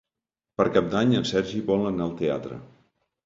Per Cap d'Any en Sergi vol anar al teatre.